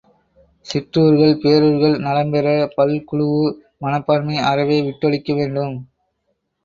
சிற்றூர்கள் பேரூர்கள் நலம்பெற பல்குழூஉ மனப்பான்மை அறவே விட்டொழிக்க வேண்டும்.